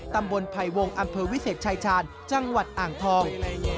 ตำบลไฟวงอัมเวศชชานจังหวัดอ่างทอง